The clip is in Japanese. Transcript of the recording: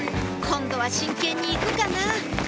今度は真剣に行くかな？